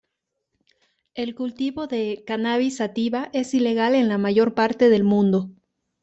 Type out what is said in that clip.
El cultivo de "Cannabis sativa" es ilegal en la mayor parte del mundo.